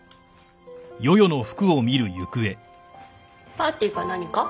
パーティーか何か？